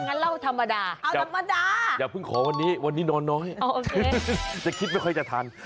งั้นเล่าธรรมดาเอาธรรมดาอย่าเพิ่งขอวันนี้วันนี้นอนน้อยจะคิดไม่ค่อยจะทัน